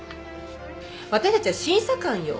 私たちは審査官よ。